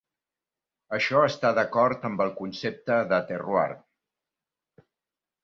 Això està d'acord amb el concepte de "terroir".